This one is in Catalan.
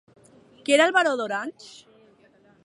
Qui era el "Baró d'Orange"?